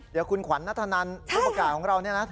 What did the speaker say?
เดี๋ยวคุณขวัญนัทธนันผู้ประกาศของเราเนี่ยนะ